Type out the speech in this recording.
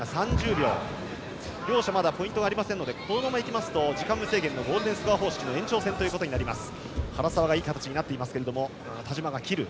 両者まだポイントがありませんので時間無制限のゴールデンスコア方式の延長戦となります。